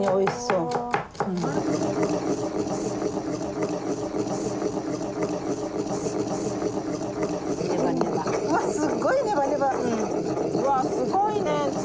うわっすごいね。